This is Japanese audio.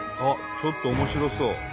ちょっと面白そう！